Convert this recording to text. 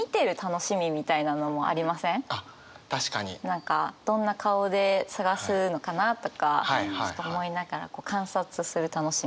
何かどんな顔で捜すのかな？とか思いながら観察する楽しみ。